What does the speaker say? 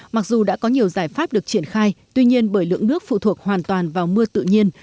mặc dù đã có nhiều giải pháp được triển khai tuy nhiên bởi lượng nước phụ thuộc hoàn toàn vào mưa tự nhiên